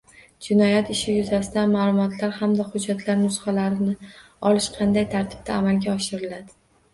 Jinoyat ishi yuzasidan ma’lumotlar hamda hujjatlar nusxalarini olish qanday tartibda amalga oshiriladi?